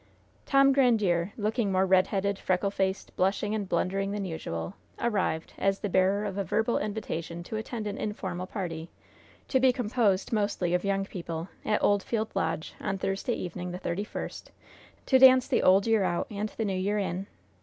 Tom Grandiere, looking more red headed, freckle faced, blushing and blundering than usual, arrived, as the bearer of a verbal invitation to attend an informal party, to be composed mostly of young people, at Oldfield Lodge, on Thursday evening, the thirty first, to dance the Old Year out and the New Year in.